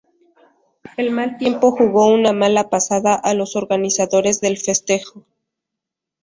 El mal tiempo jugó una mala pasada a los organizadores del festejo.